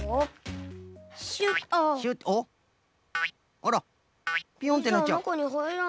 あらピョンってなっちゃう。